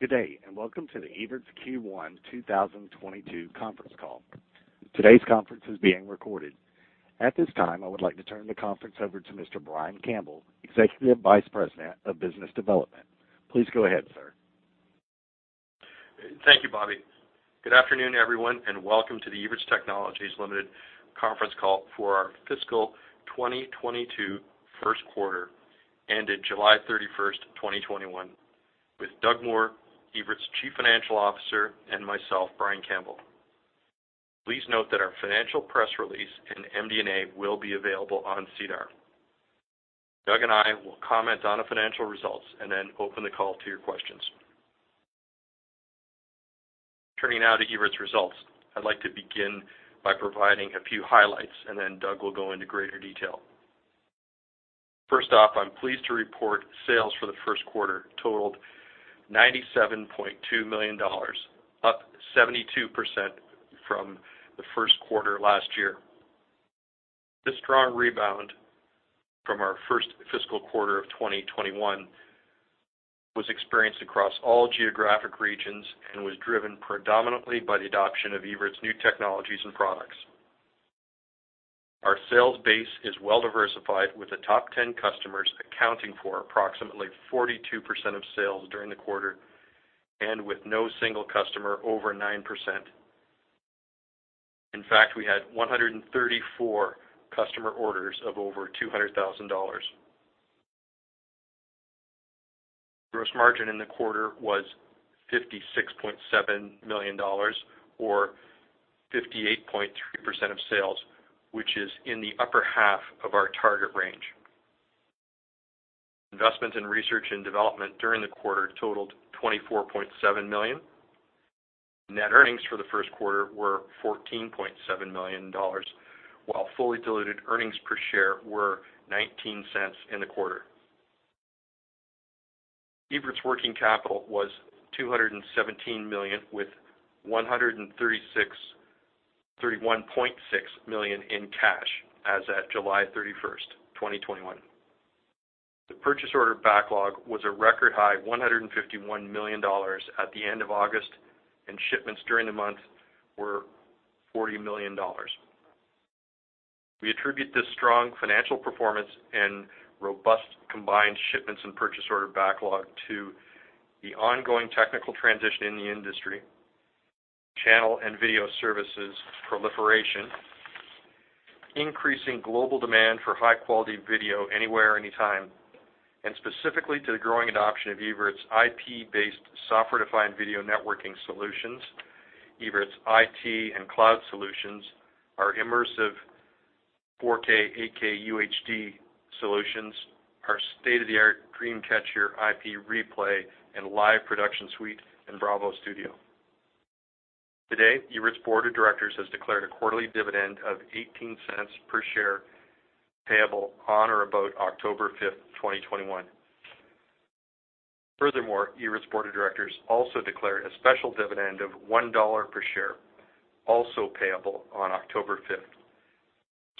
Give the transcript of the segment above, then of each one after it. Good day, welcome to the Evertz Q1 2022 conference call. Today's conference is being recorded. At this time, I would like to turn the conference over to Mr. Brian Campbell, Executive Vice President of Business Development. Please go ahead, sir. Thank you, Bobby. Good afternoon, everyone, welcome to the Evertz Technologies Limited conference call for our fiscal 2022 first quarter, ended July 31st, 2021, with Doug Moore, Evertz Chief Financial Officer, and myself, Brian Campbell. Please note that our financial press release and MD&A will be available on SEDAR. Doug and I will comment on the financial results then open the call to your questions. Turning now to Evertz results, I'd like to begin by providing a few highlights, then Doug will go into greater detail. First off, I'm pleased to report sales for the first quarter totaled 97.2 million dollars, up 72% from the first quarter last year. This strong rebound from our first fiscal quarter of 2021 was experienced across all geographic regions and was driven predominantly by the adoption of Evertz new technologies and products. Our sales base is well diversified, with the top 10 customers accounting for approximately 42% of sales during the quarter, and with no single customer over 9%. In fact, we had 134 customer orders of over 200,000 dollars. Gross margin in the quarter was 56.7 million dollars, or 58.3% of sales, which is in the upper half of our target range. Investment in research and development during the quarter totaled 24.7 million. Net earnings for the first quarter were 14.7 million dollars, while fully diluted earnings per share were 0.19 in the quarter. Evertz working capital was 217 million, with 131.6 million in cash as at July 31st, 2021. The purchase order backlog was a record high 151 million dollars at the end of August, and shipments during the month were 40 million dollars. We attribute this strong financial performance and robust combined shipments and purchase order backlog to the ongoing technical transition in the industry, channel and video services proliferation, increasing global demand for high-quality video anywhere, anytime, and specifically to the growing adoption of Evertz IP-based software-defined video networking solutions, Evertz IT and cloud solutions, our immersive 4K UHD solutions, our state-of-the-art DreamCatcher IP replay and live production suite, and BRAVO Studio. Today, Evertz Board of Directors has declared a quarterly dividend of 0.18 per share payable on or about October 5th, 2021. Evertz Board of Directors also declared a special dividend of 1.00 dollar per share, also payable on October 5th.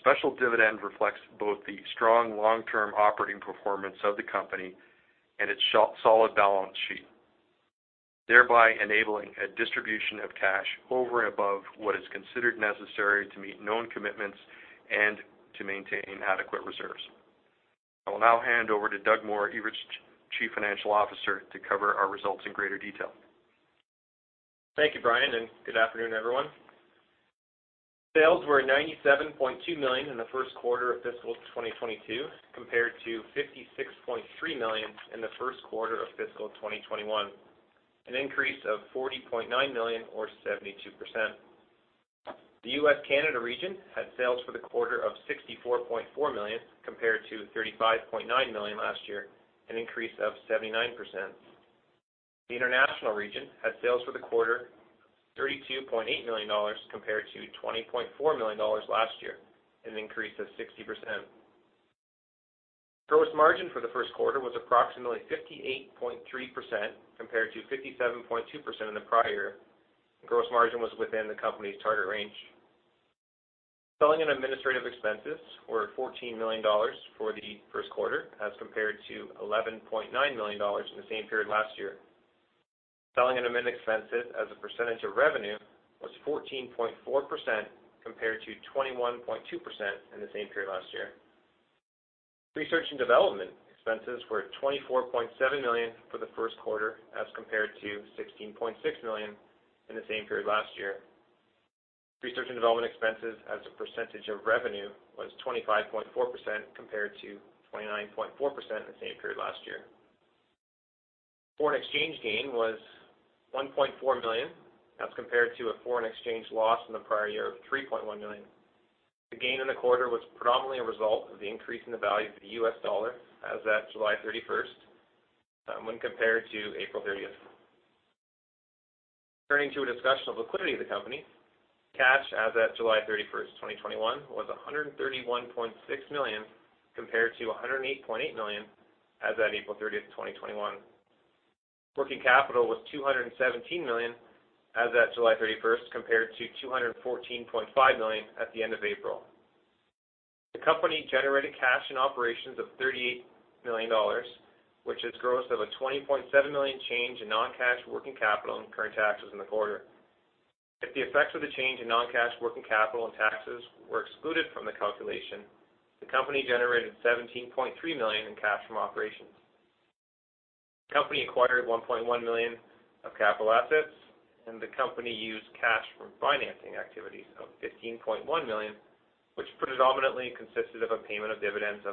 Special dividend reflects both the strong long-term operating performance of the company and its solid balance sheet, thereby enabling a distribution of cash over and above what is considered necessary to meet known commitments and to maintain adequate reserves. I will now hand over to Doug Moore, Evertz Chief Financial Officer, to cover our results in greater detail. Thank you, Brian, and good afternoon, everyone. Sales were 97.2 million in the first quarter of fiscal 2022 compared to 56.3 million in the first quarter of fiscal 2021, an increase of 40.9 million or 72%. The U.S./Canada region had sales for the quarter of 64.4 million compared to 35.9 million last year, an increase of 79%. The international region had sales for the quarter 32.8 million dollars compared to 20.4 million dollars last year, an increase of 60%. Gross margin for the first quarter was approximately 58.3% compared to 57.2% in the prior year. Gross margin was within the company's target range. Selling and administrative expenses were 14 million dollars for the first quarter as compared to 11.9 million dollars in the same period last year. Selling and admin expenses as a percentage of revenue was 14.4% compared to 21.2% in the same period last year. Research and development expenses were 24.7 million for the first quarter as compared to 16.6 million in the same period last year. Research and development expenses as a percentage of revenue was 25.4% compared to 29.4% in the same period last year. Foreign exchange gain was 1.4 million as compared to a foreign exchange loss in the prior year of 3.1 million. The gain in the quarter was predominantly a result of the increase in the value of the US dollar as at July 31st when compared to April 30th. Turning to a discussion of liquidity of the company, cash as at July 31st, 2021, was 131.6 million compared to 108.8 million as at April 30th, 2021. Working capital was 217 million as at July 31st compared to 214.5 million at the end of April. The company generated cash and operations of 38 million dollars, which is gross of a 20.7 million change in non-cash working capital and current taxes in the quarter. If the effects of the change in non-cash working capital and taxes were excluded from the calculation, the company generated 17.3 million in cash from operations. The company acquired 1.1 million of capital assets, the company used cash from financing activities of 15.1 million, which predominantly consisted of a payment of dividends of